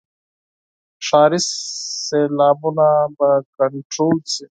ښاري سیلابونه به کنټرول شي.